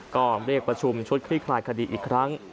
ก็เรียกประชุมชุดคลี่คลายคดีอีกครั้ง